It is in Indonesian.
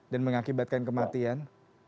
dan mengakibatkan kematian